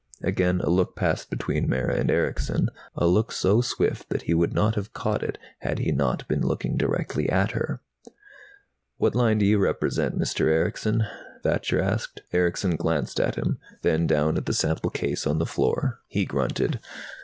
Again a look passed between Mara and Erickson, a look so swift that he would not have caught it had he not been looking directly at her. "What line do you represent, Mr. Erickson?" Thacher asked. Erickson glanced at him, then down at the sample case on the floor. He grunted.